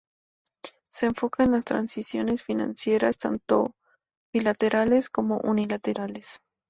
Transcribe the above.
Se enfoca en transacciones financieras, tanto bilaterales como unilaterales.